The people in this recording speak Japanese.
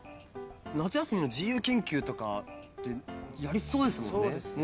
夏休みの自由研究とかでやりそうですもんね。